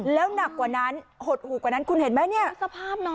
แล้วหนักกว่านั้นหดหูกว่านั้นคุณเห็นไหมเนี่ยสภาพน้อง